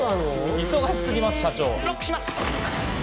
忙しすぎます、社長。